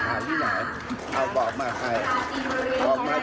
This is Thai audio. ก็กินข้าวข้าวบ้านผมก็อร่อยอยู่บ้านผม